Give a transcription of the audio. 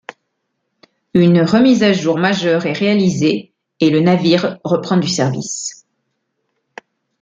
Une remise à jour majeure est réalisée et le navire reprend du service.